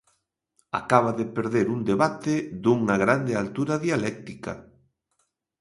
Acaba de perder un debate dunha grande altura dialéctica.